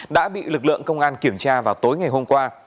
đã bị lực lượng công an kiểm tra vào tối ngày hôm qua